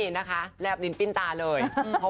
นะแล้วนงปิ้นตาเลย